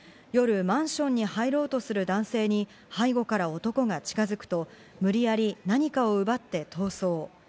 夜、マンションに入ろうとする男性に背後から男が近づくと、無理やり何かを奪って逃走。